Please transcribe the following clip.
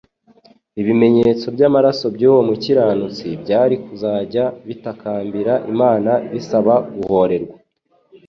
ibimenyetso by'amaraso y'uwo mukiranutsi byari kuzajya bitakambira Imana bisaba guhorerwa.